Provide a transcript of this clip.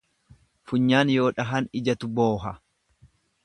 Funyaan yoo dhahan ijatu booha.